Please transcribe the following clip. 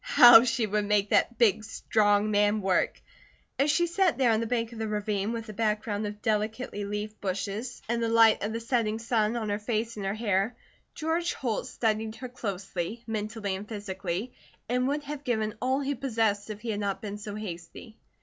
How she would make that big, strong man work! As she sat there on the bank of the ravine, with a background of delicately leafed bushes and the light of the setting sun on her face and her hair, George Holt studied her closely, mentally and physically, and would have given all he possessed if he had not been so hasty.